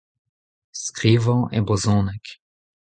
Skrivañ e brezhoneg.